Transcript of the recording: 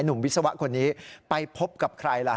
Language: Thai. วิศวะคนนี้ไปพบกับใครล่ะ